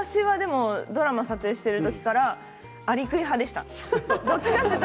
ドラマ撮影している時からアリクイ派でした。